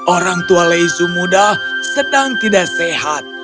orang tua lezu muda sedang tidak sehat